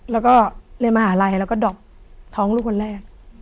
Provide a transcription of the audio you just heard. แล้วก็เรียนมหาลัยแล้วก็ดอกท้องลูกคนแรก